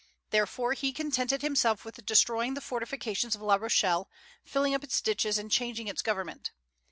Therefore he contented himself with destroying the fortifications of La Rochelle, filling up its ditches, and changing its government.